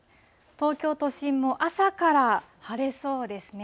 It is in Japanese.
東京都心も朝から晴れそうですね。